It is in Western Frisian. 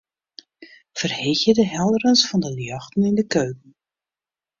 Ferheegje de helderens fan de ljochten yn de keuken.